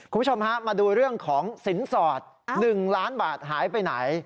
คุณผู้ชมฮะมาดูเรื่องของสินสอด๑ล้านบาทหายไปไหน